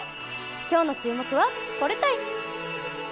今日の注目は、これたい！